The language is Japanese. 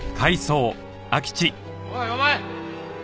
おいお前！